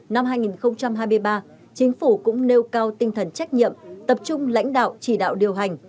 năm hai nghìn hai mươi ba chính phủ cũng nêu cao tinh thần trách nhiệm tập trung lãnh đạo chỉ đạo điều hành